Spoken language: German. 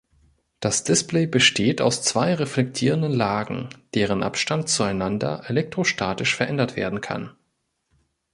Das Display besteht aus zwei reflektierenden Lagen, deren Abstand zueinander elektrostatisch verändert werden kann.